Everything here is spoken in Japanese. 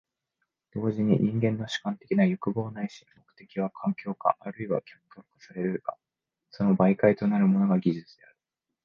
同時に人間の主観的な欲望ないし目的は環境化或いは客観化されるが、その媒介となるものが技術である。